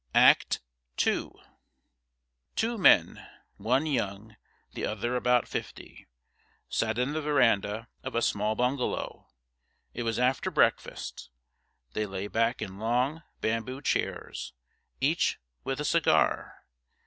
Act II Two men one young, the other about fifty sat in the veranda of a small bungalow. It was after breakfast. They lay back in long bamboo chairs, each with a cigar.